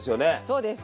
そうです。